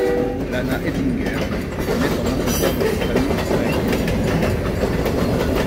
Lana Ettinger naît en Angleterre dans une famille israélienne.